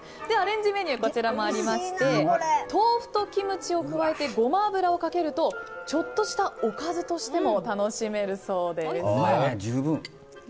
ではアレンジメニューこちらもありまして豆腐とキムチを加えてゴマ油をかけるとちょっとしたおかずとしても楽しめるそうです。